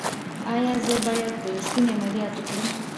ایا زه باید د ستوني عملیات وکړم؟